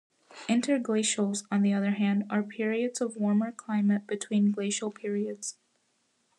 Interglacials, on the other hand, are periods of warmer climate between glacial periods.